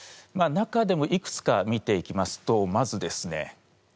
中でもいくつか見ていきますとまずですね